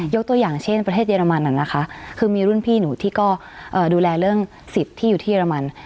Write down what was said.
ตัวอย่างเช่นประเทศเยอรมันนะคะคือมีรุ่นพี่หนูที่ก็ดูแลเรื่องสิทธิ์ที่อยู่ที่เรมัน